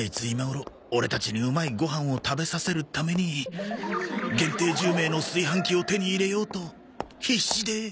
今頃オレたちにうまいご飯を食べさせるために限定１０名の炊飯器を手に入れようと必死で